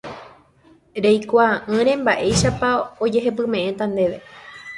reikuaa'ỹre mba'éichapa ojehepyme'ẽta ndéve